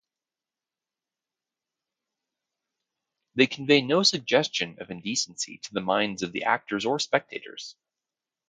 They convey no suggestion of indecency to the minds of the actors or spectators.